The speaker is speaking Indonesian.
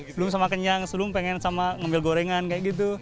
belum sama kenyang sebelum pengen sama ngambil gorengan kayak gitu